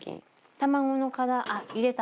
卵の殻あっ入れた。